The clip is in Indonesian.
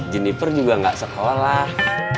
jennifer juga gak sekolah